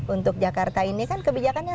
untuk jakarta ini kan kebijakannya